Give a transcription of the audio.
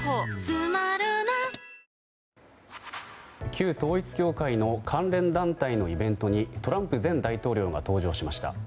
旧統一教会の関連団体のイベントにトランプ前大統領が登場しました。